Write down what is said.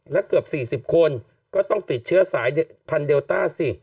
แล้วเกือบสี่สิบคนก็ต้องติดเชื้อสายพันเดลต้าสิ